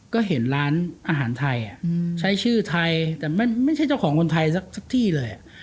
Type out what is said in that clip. ก็เห็นร้านอาหารไทยใช้ชื่อไทยแต่ไม่ใช่เจ้าของคนไทยสักที่เลย